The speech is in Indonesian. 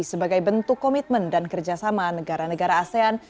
sebagai bentuk komitmen dan kerjasama negara negara asean